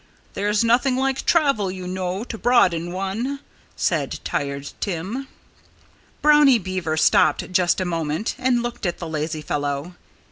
There's nothing like travel, you know, to broaden one," said Tired Tim. Brownie Beaver stopped just a moment and looked at the lazy fellow.